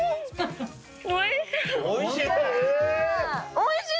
おいしい。